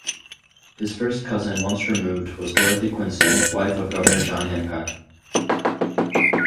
His first cousin once removed was Dorothy Quincy, wife of Governor John Hancock.